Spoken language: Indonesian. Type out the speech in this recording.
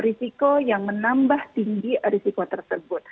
risiko yang menambah tinggi risiko tersebut